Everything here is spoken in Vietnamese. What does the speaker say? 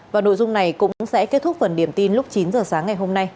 và nội dung này cũng sẽ kết thúc phần điểm tin lúc chín giờ sáng ngày hôm nay